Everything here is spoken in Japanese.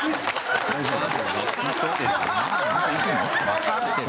わかってる。